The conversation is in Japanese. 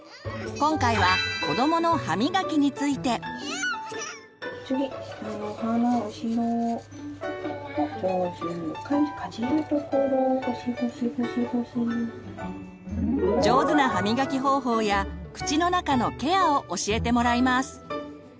今回は子どもの歯みがきについて。上手な歯みがき方法や口の中のケアを教えてもらいます。